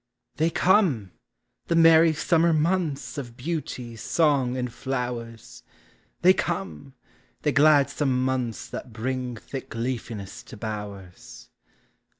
They come! the merry summer months of beauty, song, and flowers; They come! the gladsome months that bring thick leafiness to bowers.